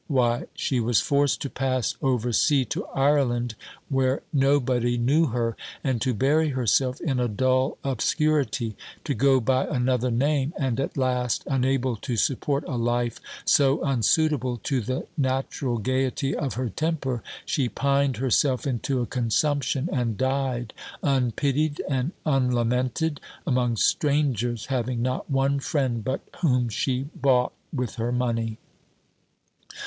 Why, she was forced to pass over sea to Ireland, where nobody knew her, and to bury herself in a dull obscurity; to go by another name, and at last, unable to support a life so unsuitable to the natural gaiety of her temper, she pined herself into a consumption, and died, unpitied and unlamented, among strangers, having not one friend but whom she bought with her money."